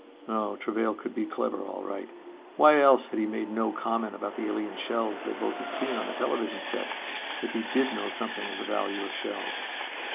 Oh, Travail could be clever all right! Why else had he made no comment about the alien shells they both had seen on the television set, if he did know something of the value of shells?